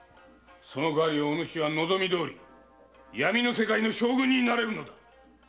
その代わりおぬしは望みどおり闇の世界の将軍になれるのだ。